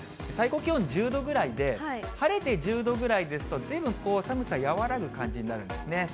最高気温１０度ぐらいで、晴れて１０度ぐらいですと、ずいぶん寒さ和らぐ感じになるんですね。